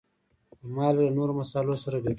مالګه له نورو مصالحو سره ګډېږي.